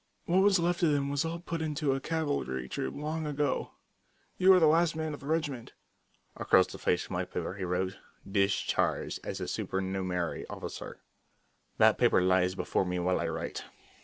What was left of them were all put into a cavalry troop long ago. You are the last man of the regiment." Across the face of my paper he wrote, "Discharged as a supernumerary officer." That paper lies before me while I write.